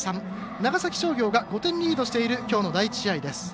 長崎商業が５点リードしているきょうの第１試合です。